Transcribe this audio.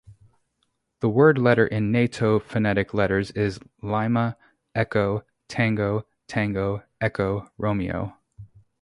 The word letter in Nato phonetic letters is Lima, Echo, Tango, Tango, Echo, Romeo.